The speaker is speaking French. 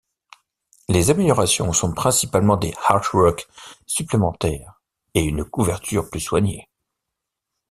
Les améliorations sont principalement des artworks supplémentaires et une couverture plus soignée.